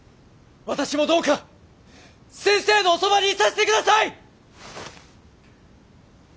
私もどうか先生のおそばにいさせてください！